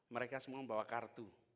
mereka semua membawa kartu